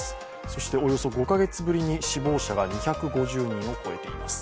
そしておよそ５カ月ぶりに死亡者が２５０人を超えています。